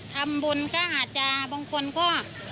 ทำบุญก็อาจจะบางคนก็